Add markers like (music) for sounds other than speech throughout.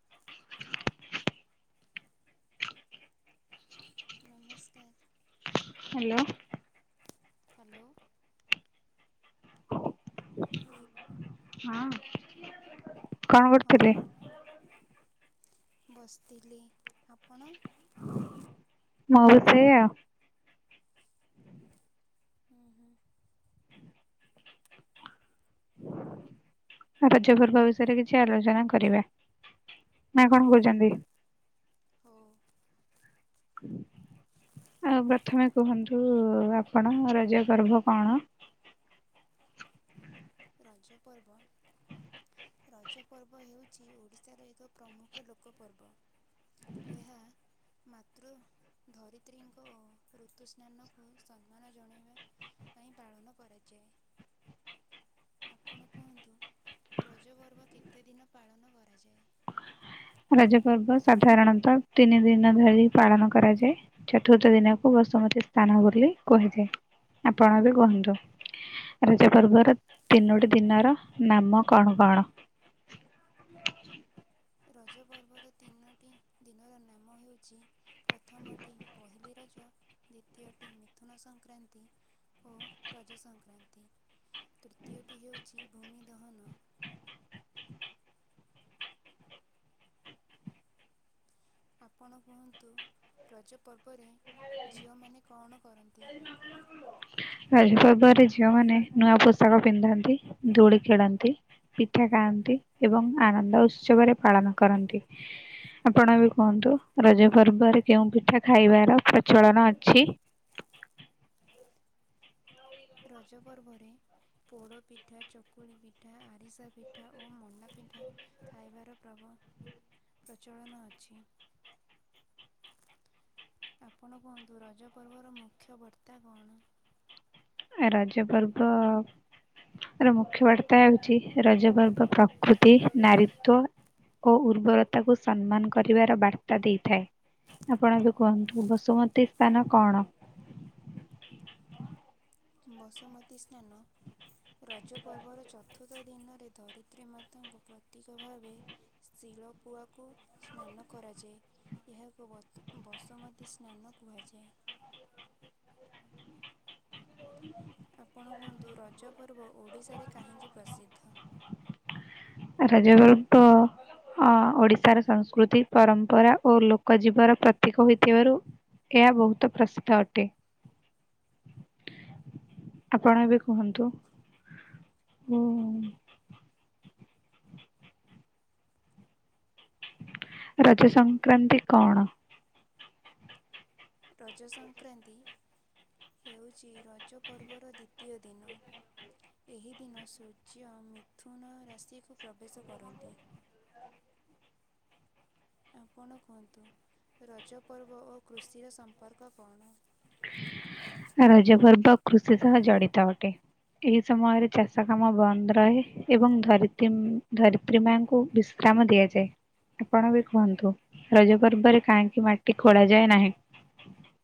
(unintelligible) ନମସ୍କାର। Hello. Hello. ହଁ କଣ କରୁଥିଲେ? ହଁ ବସିଥିଲି। ଆପଣ? ମଉ ସେୟା। (unintelligible) (inaudible) ରଜ ପର୍ବ ବିଷୟରେ କିଛି ଆଲୋଚନା କରିବା। ନା କଣ କହୁଛନ୍ତି? ହଉ (inaudible) ଆଉ ପ୍ରଥମେ କୁହନ୍ତୁ ଆପଣ ରଜ ଗର୍ଭ କଣ? (inaudible) ରଜ ପର୍ବ ରଜ ପର୍ବ ହେଉଛି ଓଡ଼ିଶାର ଏକ ପ୍ରମୁଖ ଲୋକ ପର୍ବ। ଏହା (inaudible) ମାତୃ ଧରିତ୍ରୀଙ୍କ ଋତୁ ସ୍ନାନକୁ ସମ୍ମାନ ଜଣେଇବା ପାଇଁ ପାଳନ କରାଯାଏ। (inaudible) ଆପଣ କୁହନ୍ତୁ ରଜ ପର୍ବ କେତେ ଦିନ ପାଳନ କରାଯାଏ? ରଜ ପର୍ବ ସାଧାରଣତଃ ତିନି ଦିନ ଧରି ପାଳନ କରାଯାଏ ଚତୁର୍ଥ ଦିନକୁ ବସ ସୁମତି ସ୍ନାନ ବୋଲି କୁହାଯାଏ। ଆପଣ ଏବେ କୁହନ୍ତୁ। ରଜ ପର୍ବର ତିନୋଟି ଦିନର ନାମ କଣ କଣ? (inaudible) ରଜ ପର୍ବର ତିନୋଟି ଦିନର ନାମ ହେଉଛି ପ୍ରଥମଟି ପହିଲି ରଜ ଦ୍ଵିତୀୟଟି ମିଥୁନ ସଂକ୍ରାନ୍ତି ଓ ରଜ ସଂକ୍ରାନ୍ତି। ତୃତୀୟଟି ହେଉଛି ଭୂମି ଦହନ। ଆପଣ କୁହନ୍ତୁ ରଜ ପର୍ବରେ ଝିଅମାନେ କଣ କରନ୍ତି (inaudible) ରଜ ପର୍ବ ରେ ଝିଅ ମାନେ ନୂଆ ପୋଷାକ ପିନ୍ଧନ୍ତି, ଦୋଳି ଖେଳନ୍ତି। ପିଠା ଖାଆନ୍ତି ଏବଂ ଆନନ୍ଦ ଉତ୍ସବରେ ପାଳନ କରନ୍ତି। ଆପଣ ବି କୁହନ୍ତୁ ରଜ ପର୍ବରେ କେଉଁ ପିଠା ଖାଇବାର ପ୍ରଚଳନ ଅଛି। ରଜ ପର୍ବରେ। ପୋଡ଼ ପିଠା, ଚକୁଳି ପିଠା, ଆରିସା ପିଠା ଓ ମଣ୍ଡା ପିଠା ଖାଇବାର ପ୍ରଭାବ। (inaudible) ପ୍ରଚଳନ ଅଛି। ଆପଣ କୁହନ୍ତୁ ରଜ ପର୍ବର ମୁଖ୍ୟ ବର୍ତ୍ତା କଣ? ରଜ ପର୍ବ। ରଜ ପର୍ବ ମୁଖ୍ୟ ବାର୍ତ୍ତା ହଉଚି, ରଜ ପର୍ବ ପ୍ରକୃତି, ନାରୀତ୍ଵ ଓ ଉର୍ବରତାକୁ ସମ୍ମାନ କରିବାର ବାର୍ତ୍ତା ଦେଇଥାଏ। ଆପଣତ କୁହନ୍ତୁ ବସୁମତୀ ସ୍ନାନ କଣ? (unintelligible) ବସୁମତୀ ସ୍ନାନ ରଜ ପର୍ବର ଚତୁର୍ଥ ଦିନରେ ଧରିତ୍ରୀ ମାତାଙ୍କୁ ପ୍ରତୀକ ଭାବେ ଶିଳପୁଆକୁ ସ୍ନାନ କରେ କରାଯାଏ ଏହାକୁ ବସୁମତୀ ସ୍ନାନ କୁହାଯାଏ। (inaudible) (unintelligible) ଆପଣ କୁହନ୍ତୁ ରଜ ପର୍ବ ଓଡ଼ିଶାରେ କାହିଁକି ପ୍ରସିଦ୍ଧ? ରଜ ପର୍ବ। ହଁ ଓଡିଶାର ସଂସ୍କୃତି, ପରମ୍ପରା ଓ ଲୋକ ଜୀବର ପ୍ରତୀକ ହୋଇଥିବାରୁ ଏହା ବହୁତ ପ୍ରସିଦ୍ଧ ଅଟେ। ଆପଣ ଏବେ କୁହନ୍ତୁ। ହୁଁ। ରଜ ସଂକ୍ରାନ୍ତି କଣ? ରଜ ସଂକ୍ରାନ୍ତି ହେଉଛି ରଜ ପର୍ବର ଦ୍ୱିତୀୟ ଦିନ। ଏହି ଦିନ ସୂର୍ଯ୍ୟ ମିଥୁନ ରାଶିକୁ ପ୍ରବେଶ କରନ୍ତି। (unintelligible) ଆପଣ କୁହନ୍ତୁ ରଜପର୍ବ ଓ କୃଷିର ସମ୍ପର୍କ କଣ? ରଜ ପର୍ବ କୃଷି ସହ ଜଡ଼ିତ ଅଟେ। ଏହି ସମୟରେ ଚାଷ କାମ ବନ୍ଦ ରହେ ଏବଂ ଧରିତ୍ରୀ ଧରିତ୍ରୀ ମାଙ୍କୁ ବି ଶ୍ରାମ ଦିଆଯଏ। ଆପଣ ବି କୁହନ୍ତୁ ରଜ ପର୍ବରେ କାହିଁକି ମାଟି ଖୋଳା ଯାଏ ନାହିଁ?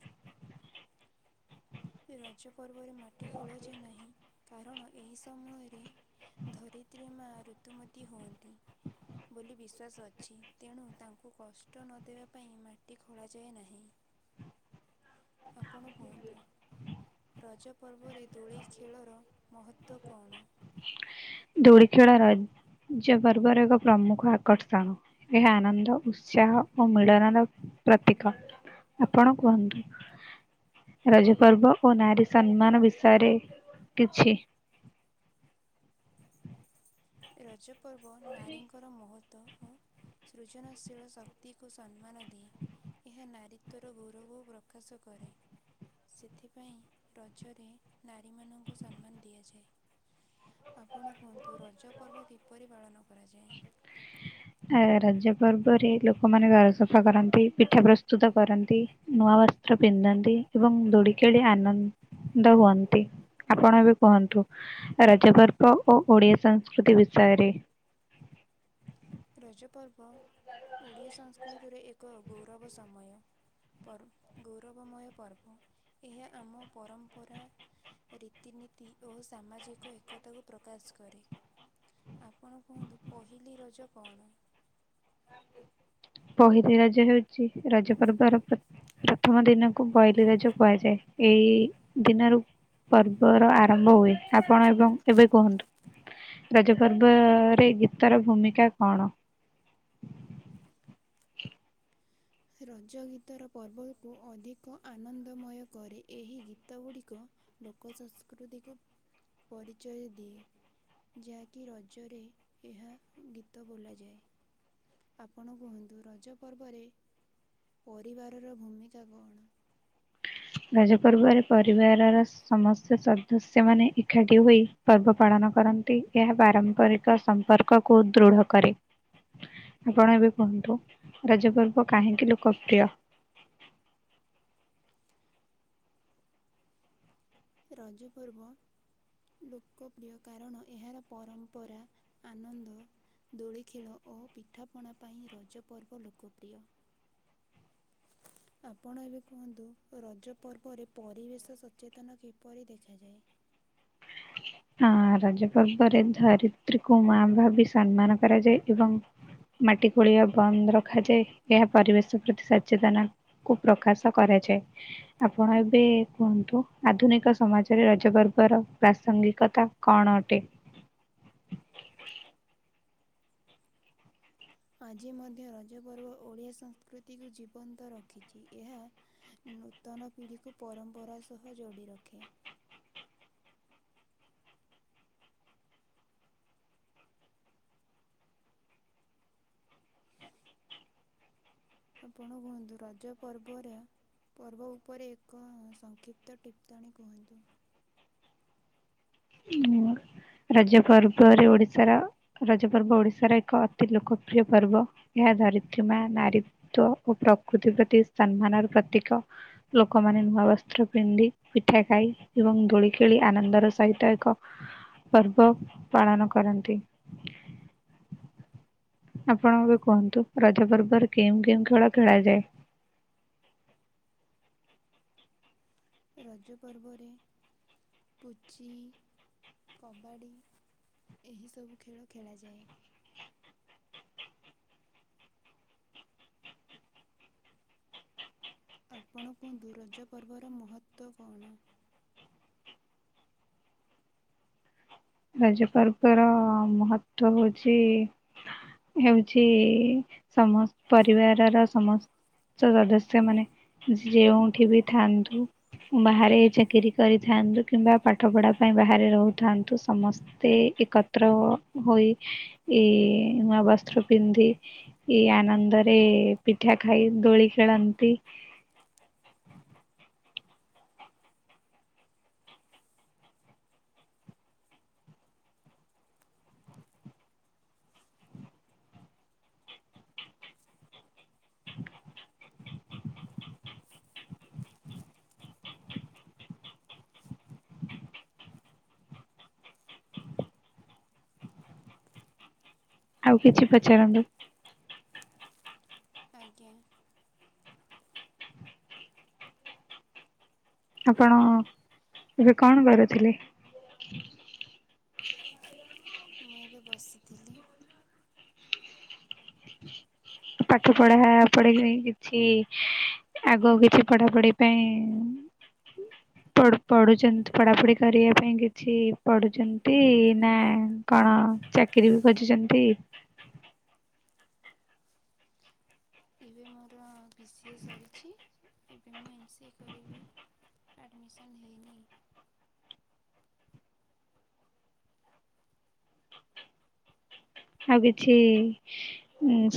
(inaudible) ରଜ ପର୍ବରେ ମାଟି ଖୋଳାଯାଏ ନାହିଁ କାରଣ ଏହି ସମୟରେ ଧରିତ୍ରୀ ମା ଋତୁମତୀ ହୁଅନ୍ତି। ବୋଲି ବିଶ୍ୱାସ ଅଛି ତେଣୁ ତାଙ୍କୁ କଷ୍ଟ ନ ଦେବା ପାଇଁ ମାଟି ଖୋଳାଯାଏ ନାହିଁ। (inaudible) ଆପଣ କୁହନ୍ତୁ ରଜ ପର୍ବରେ ଦୋଳି ଖେଳର ମହତ୍ଵ କଣ? ଦୋଳି ଖେଳ ରଜ ରଜ ପର୍ବର ଏକ ପ୍ରମୁଖ ଆକର୍ଷଣ ଏହା ଆନନ୍ଦ, ଉତ୍ସାହ ଓ ମିଳନର ପ୍ରତୀକ ଆପଣ କୁହନ୍ତୁ ରଜ ପର୍ବ ଓ ନାରୀ ସମ୍ମାନ ବିଷୟରେ କିଛି ରଜ। (unintelligible) ଓ ଓ ସୃଜନଶୀଳ ଶକ୍ତିକୁ ସମ୍ମାନ ଦିଏ। ଏହା ନାରୀ ତ୍ୱର ଗୌରବ ପ୍ରକାଶ କରେ। ସେଥିପାଇଁ ରଜରେ ନାରୀମାନଙ୍କୁ ସମ୍ମାନ ଦିଆଯାଏ। ଆପଣ କୁହନ୍ତୁ ରଜ ପର୍ବ କିପରି ପାଳନ କରାଯାଏ। ରାଜ ପର୍ବରେ ଲୋକମାନେ ଘର ସଫା କରନ୍ତି, ପିଠା ପ୍ରସ୍ତୁତ କରନ୍ତି ନୂଆ ବସ୍ତ୍ର ଫି ପିନ୍ଧନ୍ତି ଏବଂ ଦୋଳିଖେଳି ଆନନ୍ଦ ହୁଅନ୍ତି, ଆପଣ ଏବେ କୁହନ୍ତୁ ରା (unintelligible) ରଜପର୍ବ ଓଡ଼ିଆ ସଂସ୍କୃତିରେ ଏକ ଗୌରବ ସମୟ। ପର୍ବ ଗୌରବମୟ ପର୍ବ ଏହା ଆମ ପରମ୍ପରା। ରୀତିନୀତି ଓ ସାମାଜିକ ଏକତାକୁ ପ୍ରକାଶ କରେ। ଆପଣ କୁହନ୍ତୁ ପହିଲି ରଜ। କଣ? ହ। ପହିଲି ରଜ ହେଉଛି, ରଜ ପର୍ବର ପ୍ରଥମ ଦିନକୁ ପହିଲି ରଜ କୁହାଯାଏ। ଏଇ ଦିନରୁ ପର୍ବର ଆରମ୍ଭ ହୁଏ, ଆପଣ ଏବଂ ଏବେ କୁହନ୍ତୁ। ରଜ ପର୍ବରେ ଗୀତ ର ଭୂମିକା କଣ? ରଜ ଗୀତର ପର୍ବକୁ ଅଧିକ ଆନନ୍ଦମୟ କରେ ଏହି ଗୀତ ଗୁଡ଼ିକ ଲୋକ ସଂସ୍କୃତି କୁ ପରିଚୟ ଦିଏ। ଯାହାକି ରଜରେ ଏହା ଗୀତ ବୋବଲାଯାଏ। ଆପଣ କୁହନ୍ତୁ ରଜ ପର୍ବରେ ପରିବାରର ଭୂମିକା କଣ? ରଜ ପର୍ବରେ ପରିବାରର ସମସ୍ତ ସଦସ୍ୟ ମାନେ ଏକାଠି ହୋଇ ପର୍ବ ପାଳନ କରନ୍ତି, ଏହା ପାରମ୍ପରିକ ସମ୍ପର୍କକୁ ଦୃଢ କରେ। ଆପଣ ଏବେ କୁହନ୍ତୁ ରଜପର୍ବ କାହିଁକି ଲୋକପ୍ରିୟ? (inaudible) ରଜ ପର୍ବ। ଲୋକପ୍ରିୟ କାରଣ ଏହାର ପରମ୍ପରା ଆନନ୍ଦ। ଦୋଳି ଖେଳ ଓ ପିଠାପଣା ପାଇଁ ରଜ ପର୍ବ ଲୋକପ୍ରିୟ। ହୁଁ। ଆପଣ ଏବେ କୁହନ୍ତୁ ରଜ ପର୍ବରେ ପରିବେଶ ସଚେତନ କେବେ। ପରି ଦେଖାଯାଏ। ହଁ ରଜ ପର୍ବରେ ଧରିତ୍ରୀକୁ ମା ଭାବି ସମ୍ମାନ କରାଯାଏ, ଏବଂ ମାଟି ଖୋଳିବା ବନ୍ଦ ରଖାଯାଏ, ଏହା ପରିବେଶ ପ୍ରତି ସଚେତନ କୁ ପ୍ରକାଶ କରାଯାଏ, ଆପଣ ଏବେ କୁହନ୍ତୁ ଆଧୁନିକ ସମାଜରେ ରଜବର୍ଗ ପ୍ରାସଙ୍ଗିକତା କଣ ଅଟେ? ଆଜି ମଧ୍ୟ ରଜ ପର୍ବ ଓଡ଼ିଆ ସଂସ୍କୃତିକୁ ଜୀବନ୍ତ ରଖିଛି, ଏହା ନୂତନ ପିଢ଼ିକୁ ପରମ୍ପରା ସହ ଜୋଡ଼ି ରଖେ। (unintelligible) ଆପଣ କୁହନ୍ତୁ ରଜ ପର୍ବରେ ପର୍ବ ଉପରେ ଏକ ସଂକ୍ଷିପ୍ତ ଟିପ୍ପଣୀ କୁହନ୍ତୁ। ରଜ ପର୍ବରେ ଓଡିଶାର ରଜ ପର୍ବ ଓଡିଶାର ଏକ ଅତି ଲୋକପ୍ରିୟ ପର୍ବ ଏହା। ଧରିତ୍ରିମା ନାରୀିତ୍ୱ ଓ ପ୍ରକୃତି ପ୍ରତି ସମ୍ମାନର ପ୍ରତୀକ ଲୋକମାନେ ନୂଆ ବସ୍ତ୍ର ପିନ୍ଧି ପିଠା ଖାଇ ଏବଂ ଦୋଳି ଖେଳି ଆନନ୍ଦର ସହିତ ଏକ ପର୍ବ ପାଳନ କରନ୍ତି। ଆପଣ ଏବେ କୁହନ୍ତୁ ରଜପର୍ବରେ କେଁଉ କେଉଁ ଖେଳ ଖେଳାଯାଏ। ରଜ ପର୍ବରେ ପୁଚି। କବାଡ଼ି ଏହି ସବୁ ଖେଳ ଖେଳାଯାଏ। ଆପଣ କୁହନ୍ତୁ ରଜ ପର୍ବର ମହତ୍ତ୍ଵ କଣ। ରଜ ପର୍ବ ର ମହତ୍ଵ ହଉଛି। ହଉଛି ସମସ୍ତ ପରିବାରର ସମସ୍ତ ସଦସ୍ୟ ମାନେ ଯେଉଠି ବି ଥାନ୍ତୁ ବାହାରେ ଚାକିରି କରିଥାନ୍ତ କିମ୍ବା ପାଠ ପଢା ପାଇଁ ବାହାରେ ରହୁଥାନ୍ତୁ। ସମସ୍ତେ ଏକତ୍ର ହୋଇ ଏ ନୂଆ ବସ୍ତ୍ର ପିନ୍ଧି ଏଇ ଆନନ୍ଦରେ ପିଠା ଖାଇ ଦୋଳି ଖେଳନ୍ତି। ଆଉ କିଛି ପଚାରନ୍ତୁ? ଆଜ୍ଞା। ଆପଣ ଏବେ କଣ କରୁଥିଲେ? ମୁଁ ଏବେ ବସିଥିଲି। ପାଠ ପଢା ପଢି ପାଇଁ କିଛି, ଆଗକୁ କିଛି ପଢାପଢି ପାଇଁ ହୁଁ। ପଢ ପଢ଼ୁଛନ୍ତି ପଢ଼ାପଢ଼ି କରିବା ପାଇଁ କିଛି ପଢୁଛନ୍ତି ନା କଣ ଚାକିରି ବି ଖୋଜୁଛନ୍ତି? ଏବେ ମୋର ବି ସି ଏ ସରିଛି। ଏବେ ମୁଁ ଏମ ସି ଏ କରିବି ଆଡ଼ମିସନ୍ ହେଇନି। ଆଉ କିଛି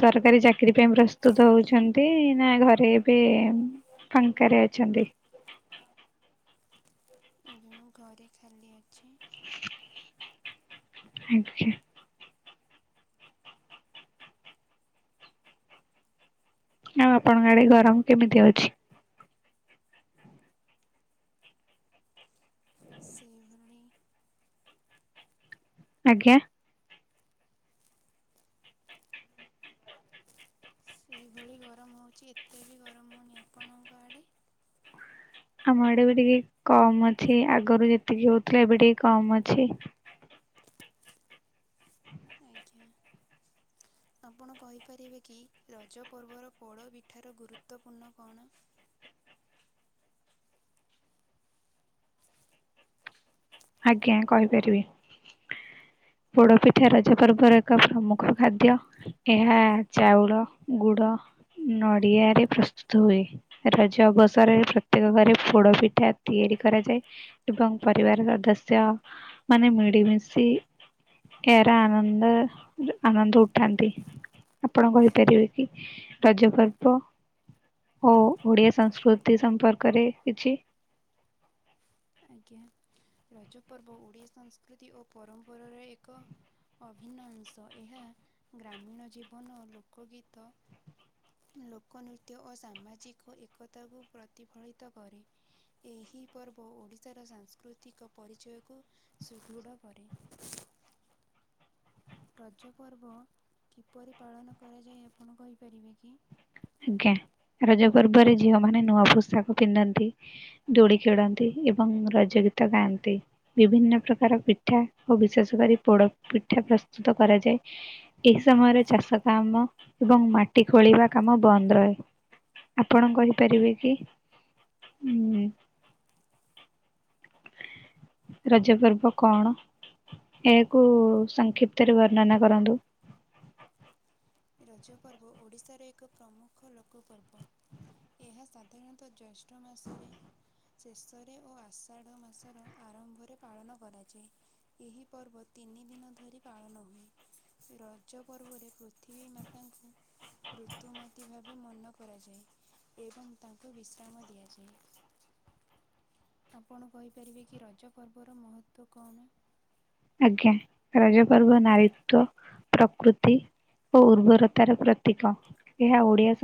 ସରକାରୀ ଚାକିରୀ ପାଇଁ ପ୍ରସ୍ତୁତ ହଉଛନ୍ତି, ନା ଘର ରେ ଏବେ ଫାଙ୍କାରେ ଅଛନ୍ତି? ଏବେ ମୁଁ ଘରେ ଖାଲି ଅଛି। ଆଜ୍ଞା। ଆଉ ଆପଣଙ୍କ ଆଡେ ଗରମ କେମିତି ହଉଛି? ସେ (unintelligible) ଆଜ୍ଞା। ସେଇଭଳି ଗରମ ହେଉଛି ଏତେ ବି ଗରମ ହଉନି ଆପଣଙ୍କ ଆଡ଼େ? ଆମ ଆଡେ ବି ଟିକେ କମ ଅଛି, ଆଗରୁ ଯେତିକି ହଉଥିଲା ଏବେ ଟିକେ କମ ଅଛି। ଆଜ୍ଞା। (inaudible) ଆପଣ କହିପାରିବେ କି ରଜ ପର୍ବର ପୋଡ଼ ପିଠାର ଗୁରୁତ୍ୱପୂର୍ଣ୍ଣ କଣ? (inaudible) ଆଜ୍ଞା କହିପାରିବି। ପୋଡ଼ପିଠା ରଜ ପର୍ବର ଏକ ପ୍ରମୁଖ ଖାଦ୍ୟ ଏହା ଚାଉଳ ଗୁଡ଼ ନଡ଼ିଆ ରେ ପ୍ରସ୍ତୁତ ହୁଏ ରଜ ଅବସରରେ ପ୍ରତ୍ୟେକ ଘରେ ପୋଡ ପିଠା ତିଆରି କରାଯାଏ ଏବଂ ପରିବାର ସଦସ୍ୟ ମାନେ ମିଳିମିଶି ଏହାର ଆନନ୍ଦ ଆନନ୍ଦ ଉଠାନ୍ତି। ଆପଣ କହିପାରିବେ କି ରଜ ପର୍ବ ଓ ଓଡିଆ ସଂସ୍କୃତି ସମ୍ପର୍କରେ କିଛି। ଆଜ୍ଞା ରଜ ପର୍ବ ଓଡ଼ିଆ ସଂସ୍କୃତି ଓ ପରମ୍ପରାର ଏକ ଅଧିକାଂଶ ଏହା ଗ୍ରାମୀଣ ଜୀବନ ଲୋକ ଗୀତ। ଲୋକ ନୃତ୍ୟ ଓ ସାମାଜିକ ଏକତାକୁ ପ୍ରତିଫଳିତ କରେ। ଏହି ପର୍ବ ଓଡ଼ି- ସାଂସ୍କୃତିକ ପରିଚୟକୁ ସୁଦୃଢ କରେ। ରଜ ପର୍ବ କିପରି ପାଳନ କରାଯାଏ ଆପଣ କହିପାରିବେ କି? ଆଜ୍ଞା। ରଜ ପର୍ବରେ ଝିଅ ମାନେ ନୂଆ ପୋଷାକ ପିନ୍ଧନ୍ତି, ଦୋଳି ଖେଳନ୍ତି, ଏବଂ ରଜ- ଗୀତ ଗାଆନ୍ତି ବିଭିନ୍ନ ପ୍ରକାର ପିଠା, ଓ ବିଶେଷ କରି ପୋଡ ପିଠା ପ୍ରସ୍ତୁତ କରାଯାଏ। ଏ ସମୟରେ ଚାଷ କାମ, ଏବଂ ମାଟି ଖୋଳିବା- କାମ ବନ୍ଦ ରହେ, ଆପଣ କହିପାରିବେ କି? ହୁଁ। ରଜ ପର୍ବ କଣ? ଏହାକୁ ସଂକ୍ଷିପ୍ତରେ ବର୍ଣ୍ଣନା କରନ୍ତୁ? ରଜ ପର୍ବ ଓଡ଼ିଶାର ଏକ ପ୍ରମୁଖ ଲୋକ ପର୍ବ। ଏହା ସାଧାରଣତଃ ଜେଷ୍ଠ ମାସରେ ଶେଷରେ ଓ ଆଷାଢ ମାସର ଆରମ୍ଭରେ ପାଳନ କରାଯାଏ। ଏହି ପର୍ବ ତିନି ଦିନ ଧରି ପାଳନ ହୁଏ। ରଜ ପର୍ବରେ ତ୍ରି ମାତା କ ଋତୁମତୀ ଭାବେ ମନ କରାଯାଏ। ଏବଂ ତାଙ୍କୁ ବିଶ୍ରାମ ଦିଆଯାଏ। ଆପଣ କହିପାରିବେ କି ରଜ ପର୍ବର ମହତ୍ଵ କଣ? ଆଜ୍ଞ ରଜପର୍ବ ନାରିତ ପ୍ରକୃତି ଓ ଉର୍ବରତାର ପ୍ରତୀକ। ଏହା ଓଡିଆ